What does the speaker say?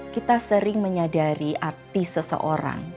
kita sering menyadari artis seseorang